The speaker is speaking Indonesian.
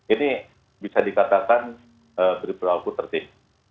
ini bisa dikatakan perilaku tertib